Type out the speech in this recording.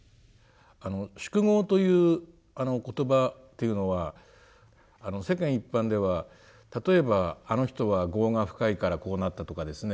「宿業」という言葉っていうのは世間一般では例えばあの人は業が深いからこうなったとかですね